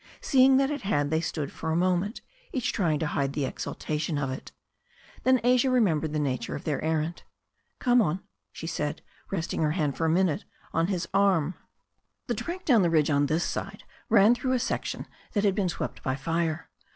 Seeing that it had, they stood a moment, each trying to hide the exaltation of it. Then Asia remembered the nature of their errand. "Come on," she said, resting her hand for a minute on his arm. The track down the ridge on this side ran through a sec tion that had been swept by fire.